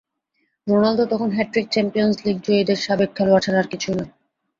Ronaldo এখন hat trick champions league জয়ীদের সাবেক খেলোয়াড় ছাড়া আর কিছুই নয়।